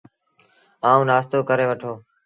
آئو، نآشتو ڪري وٺو۔